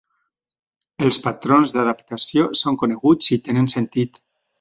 Els patrons d'adaptació són coneguts i tenen sentit.